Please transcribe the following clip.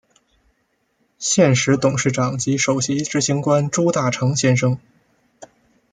现时董事长及首席执行官朱大成先生。